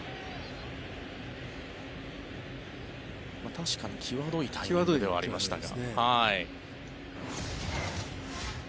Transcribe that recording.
確かにきわどいタイミングではありましたが。